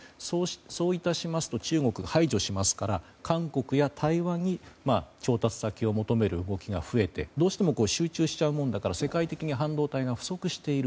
そうしますと排除しますから韓国や台湾に調達先を求める動きが増えてどうしても集中しちゃうものだから世界的に半導体が不足している。